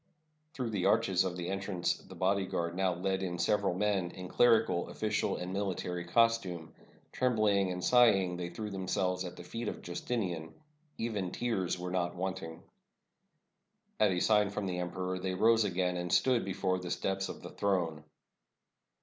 Through the arches of the entrance the bodyguard now led in several men, in clerical, oflBcial, and military costume. Trembling and sighing, they threw themselves at the feet of Justinian. Even tears were not wanting. At a sign from the emperor they rose again, and stood before the steps of the throne.